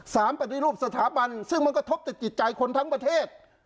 ปฏิรูปสถาบันซึ่งมันกระทบติดจิตใจคนทั้งประเทศ